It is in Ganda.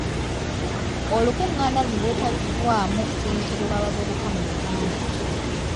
Olukungaana luno lwetabiddwamu Ssentebe w'abavubuka mu Buganda.